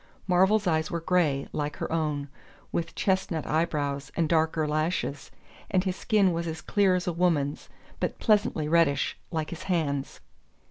Marvell's eyes were grey, like her own, with chestnut eyebrows and darker lashes; and his skin was as clear as a woman's, but pleasantly reddish, like his hands.